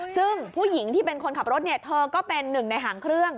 ซึ่งผู้หญิงที่เป็นคนขับรถเธอก็เป็นหนึ่งในหางเครื่อง